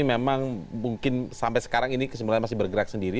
memang mungkin sampai sekarang ini kesimpulannya masih bergerak sendiri